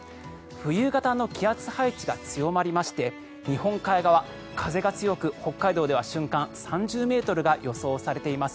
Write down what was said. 冬型の気圧配置が強まりまして日本海側、風が強く北海道では瞬間３０ｍが予想されています。